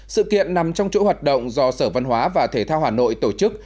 sự kiện nằm trong chỗ hoạt động do sở văn hóa và thể thao hà nội tổ chức